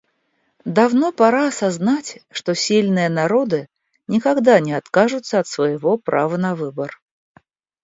Давно пора осознать, что сильные народы никогда не откажутся от своего права на выбор.